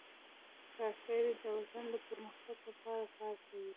کاکړي د وطن د پرمختګ لپاره کار کوي.